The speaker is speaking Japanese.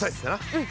うん。